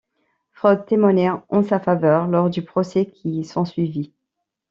Freud témoigna en sa faveur lors du procès qui s'ensuivit.